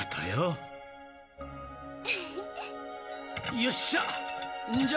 よっしゃ！